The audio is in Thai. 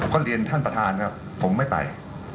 ก็เรียนท่านประธานว่าผมไม่ไป